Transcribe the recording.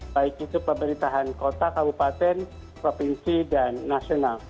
baik itu pemerintahan kota kabupaten provinsi dan nasional